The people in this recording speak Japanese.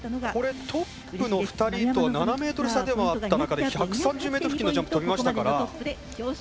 トップの２人とは７ｍ差ではあった中で１３０ｍ付近のジャンプ飛びましたから。